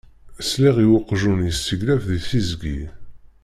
Sliɣ i uqjun yesseglaf deg teẓgi.